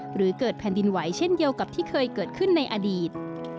หรือเกิดแผ่นดินไหวเช่นเดียวกับที่เคยเกิดขึ้นในอดีต